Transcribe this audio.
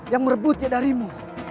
yang merebutnya darimu